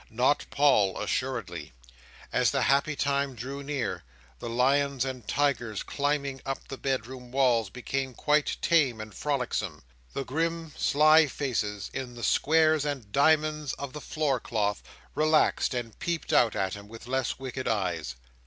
Not Paul, assuredly. As the happy time drew near, the lions and tigers climbing up the bedroom walls became quite tame and frolicsome. The grim sly faces in the squares and diamonds of the floor cloth, relaxed and peeped out at him with less wicked eyes.